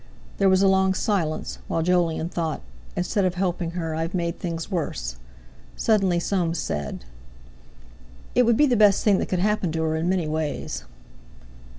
There was a long silence, while Jolyon thought: "Instead of helping her, I've made things worse." Suddenly Soames said: "It would be the best thing that could happen to her in many ways."